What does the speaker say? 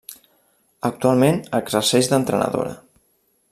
Actualment exerceix d'entrenadora.